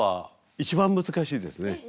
一番難しいですね。